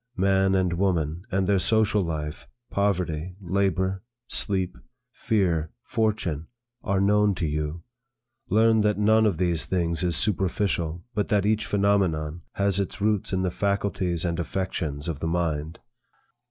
Man and woman, and their social life, poverty, labor, sleep, fear, fortune, are known to you. Learn that none of these things is superficial, but that each phenomenon has its roots in the faculties and affections of the mind.